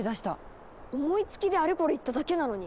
思いつきであれこれ言っただけなのに。